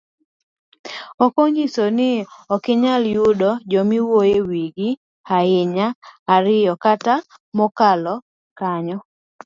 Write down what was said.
Okonyiso ni okinyal yudo joma iwuoyo ewigi ahinya ariyo kata mokalo kanyo.